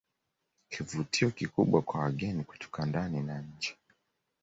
Kivutio kikubwa kwa wageni kutoka ndani na nje